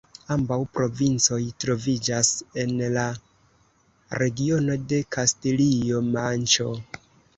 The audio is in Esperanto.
Ambaŭ provincoj troviĝas en la regiono de Kastilio-Manĉo.